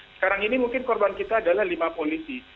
sekarang ini mungkin korban kita adalah lima polisi